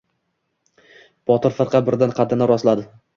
Botir firqa birdan... qaddini rostladi.